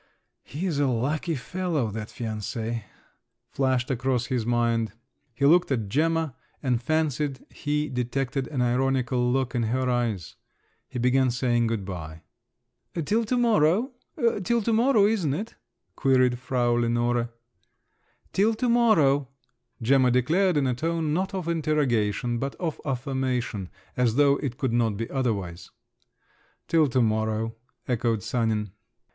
"He's a lucky fellow, that fiancé!" flashed across his mind. He looked at Gemma, and fancied he detected an ironical look in her eyes. He began saying good bye. "Till to morrow? Till to morrow, isn't it?" queried Frau Lenore. "Till to morrow!" Gemma declared in a tone not of interrogation, but of affirmation, as though it could not be otherwise. "Till to morrow!" echoed Sanin.